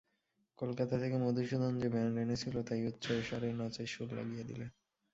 কলকাতা থেকে মধুসূদন যে ব্যান্ড এনেছিল তাই উচ্চৈঃস্বরে নাচের সুর লাগিয়ে দিলে।